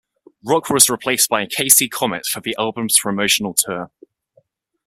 Rock was replaced by K. C. Comet for the album's promotional tour.